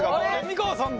美川さんだ。